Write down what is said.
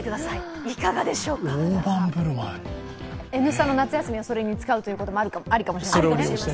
「Ｎスタ」の夏休みをそれに使うというのもありかもしれません。